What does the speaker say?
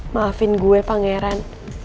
maafin gue pangeran